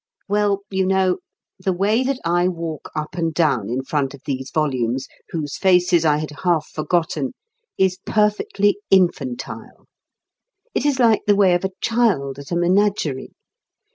Well, you know, the way that I walk up and down in front of these volumes, whose faces I had half forgotten, is perfectly infantile. It is like the way of a child at a menagerie.